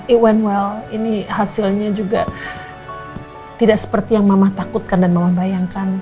i one well ini hasilnya juga tidak seperti yang mama takutkan dan mama bayangkan